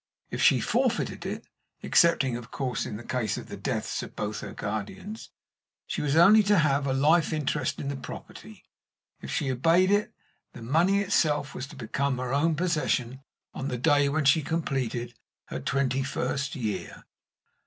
If she forfeited it, excepting, of course, the case of the deaths of both her guardians, she was only to have a life interest in the property; if she obeyed it, the money itself was to become her own possession on the day when she completed her twenty first year.